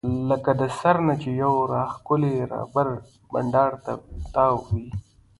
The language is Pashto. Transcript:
لکه د سر نه چې يو راښکلی ربر بېنډ تاو وي